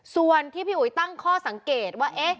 ส่วนที่พี่อุ๋ยตั้งข้อสังเกตว่า